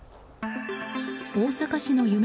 大阪市の夢